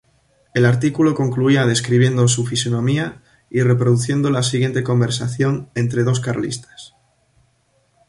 El artículo concluía describiendo su fisonomía y reproduciendo la siguiente conversación entre dos carlistas.